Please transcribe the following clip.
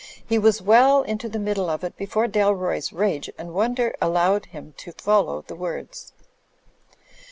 He was well into the middle of it before Dalroy's rage and wonder allowed him to follow the words.